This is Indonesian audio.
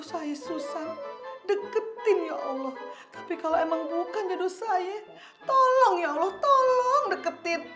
saya susan deketin ya allah tapi kalau emang bukan jodoh saya tolong ya allah tolong deketin